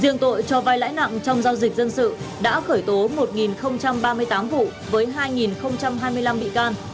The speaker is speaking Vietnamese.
riêng tội cho vai lãi nặng trong giao dịch dân sự đã khởi tố một ba mươi tám vụ với hai hai mươi năm bị can